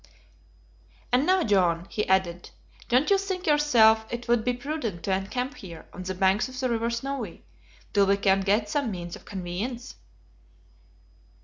"And now, John," he added, "don't you think yourself it would be prudent to encamp here, on the banks of the river Snowy, till we can get some means of conveyance."